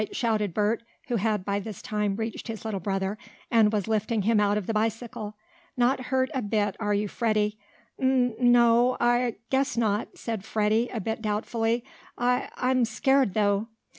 shouted Bert, who had, by this time, reached his little brother, and was lifting him out of the bicycle. "Not hurt a bit, are you, Freddie?" "N no, I I guess not," said Freddie, a bit doubtfully. "I I'm scared, though."